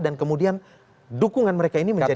dan kemudian dukungan mereka ini menjadi kalah